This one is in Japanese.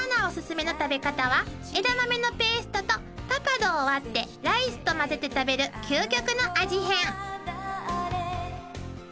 お薦めの食べ方は枝豆のペーストとパパドを割ってライスとまぜて食べる究極の味変］